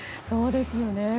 そうですよね。